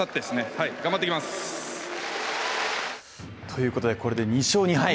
ということでこれで２勝２敗。